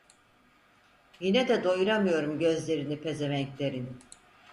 Yine de doyuramıyorum gözlerini pezevenklerin…